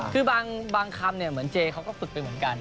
คือบางคำเหมือนเจเขาก็ฝึกไปเหมือนกัน